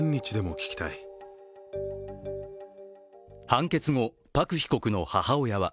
判決後、パク被告の母親は